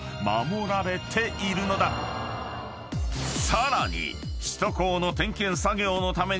［さらに］